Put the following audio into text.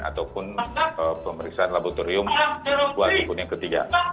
ataupun pemeriksaan laboratorium walaupun yang ketiga